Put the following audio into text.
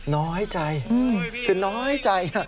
น้อยใจคือน้อยใจ